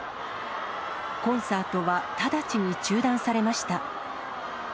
コンサートは直ちに中断されました。